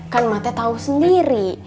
kan maknya tahu sendiri